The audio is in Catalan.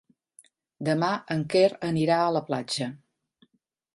Demà en Quer anirà a la platja.